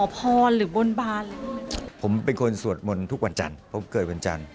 ผมเป็นคนสวดมนต์ทุกวันจันทร์เพราะผมเกิดวันจันทร์